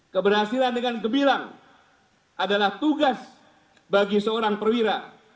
keberhasilan dengan gebilang adalah tugas bagi seorang perwira